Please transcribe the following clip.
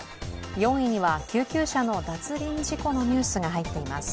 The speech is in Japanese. ４位は救急車の脱輪事故のニュースが入っています。